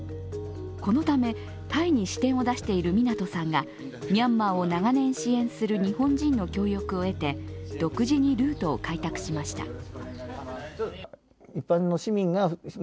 このため、タイに支店を出している湊さんがミャンマーを長年支援する日本人の協力を得て独自にルートを開拓しました。